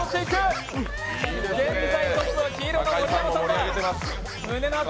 現在トップは黄色の盛山さんだ！